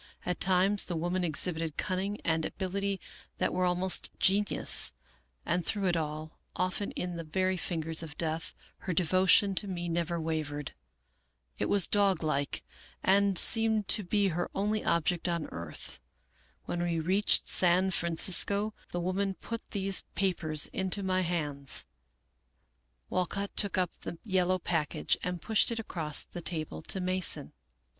At times the woman exhibited cunning and abil ity that were almost genius ; and through it all, often in the very fingers of death, her devotion to me never wavered. It was doglike, and seemed to be her only object on earth. When we reached San Francisco, the woman put these pa pers into my hands." Walcott took up the yellow package, and pushed it across the table to Mason.